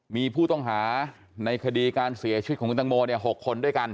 มีผู้ต้องหาในคดีการเสียชีวิตของคุณตังโม๖คนด้วยกัน